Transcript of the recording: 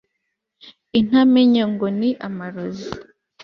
intamenya ngo ni amarozi